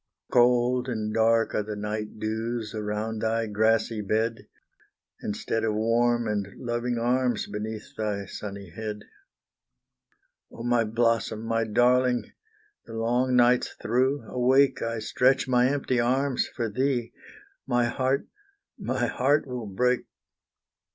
Cold and dark are the night dews around thy grassy bed, Instead of warm and loving arms beneath thy sunny head; Oh, my blossom, my darling, the long nights through, awake, I stretch my empty arms for thee, my heart my heart will break.